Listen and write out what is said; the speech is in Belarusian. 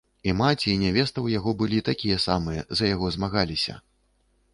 І маці, і нявеста ў яго былі такія самыя, за яго змагаліся.